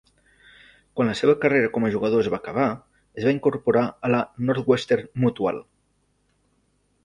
Quan la seva carrera com a jugador va acabar, es va incorporar a la Northwestern Mutual.